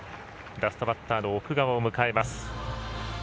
ラストバッターの奥川を迎えます。